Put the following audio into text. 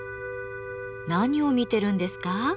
何を見てるんですか？